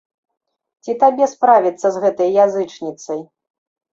Ці табе справіцца з гэтай язычніцай?